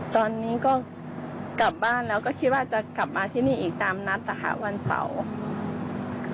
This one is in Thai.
ตอนนี้ก็กลับบ้านแล้วก็คิดว่าจะกลับมาที่นี่อีกตามนัดนะคะวันเสาร์